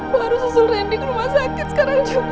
baru susul rendy ke rumah sakit sekarang juga